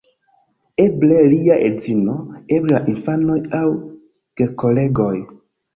Eble lia edzino, eble la infanoj aŭ gekolegoj.